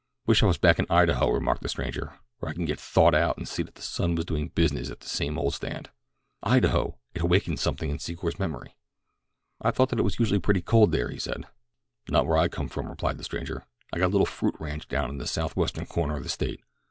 "Wish I was back in Idaho," remarked the stranger, "where I could get thawed out and see that the sun was doing business at the same old stand." Idaho! It awakened something in Secor's memory. "I thought that it was usually pretty cold there," he said. "Not where I come from," replied the stranger. "I got a little fruit ranch down in the South Western corner of the State.